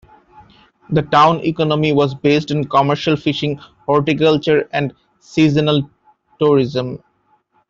The town economy was based on commercial fishing, horticulture and seasonal tourism.